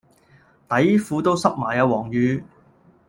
底褲都濕埋啊黃雨